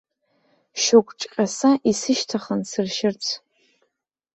Шьоук ҿҟьаса исышьҭахын сыршьырц.